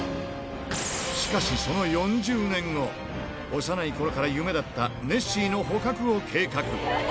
しかしその４０年後、幼いころから夢だったネッシーの捕獲を計画。